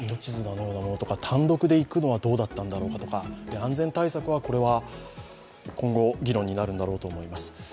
単独で行くのはどうだったんだろうかとか、安全対策は今後、議論になるんだろうと思います。